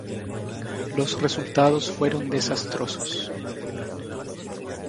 Los resultados fueron desastrosos.